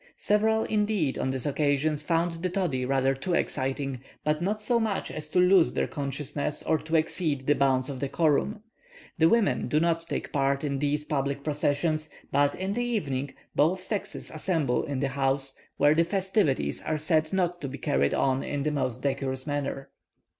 Several, indeed, on this occasion, found the toddy rather too exciting, but not so much as to lose their consciousness or to exceed the bounds of decorum. The women do not take part in these public processions; but, in the evening, both sexes assemble in the houses, where the festivities are said not to be carried on in the most decorous manner.